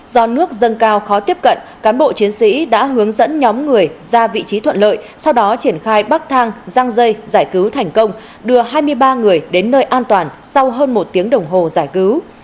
do nước dâng cao khó tiếp cận cán bộ chiến sĩ đã hướng dẫn nhóm người ra vị trí thuận lợi sau đó triển khai bắc thang răng dây giải cứu thành công đưa hai mươi ba người đến nơi an toàn sau hơn một tiếng đồng hồ giải cứu